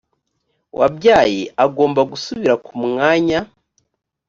wabyaye agomba gusubira ku mwanya